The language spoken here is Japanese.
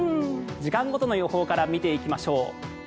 時間ごとの予報から見ていきましょう。